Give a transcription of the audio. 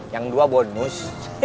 yang dua bonus